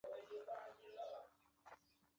可参考下方的盔甲换装简介。